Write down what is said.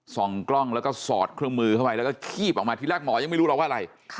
ส่องกล้องแล้วก็สอดเครื่องมือเข้าไปแล้วก็คีบออกมาทีแรกหมอยังไม่รู้หรอกว่าอะไร